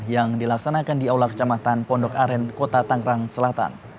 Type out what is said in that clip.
yang dilaksanakan di aula kecamatan pondok aren kota tangerang selatan